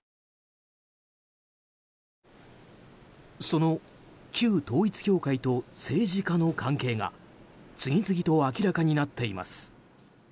その旧統一教会と政治家の関係が次々と明らかになっています。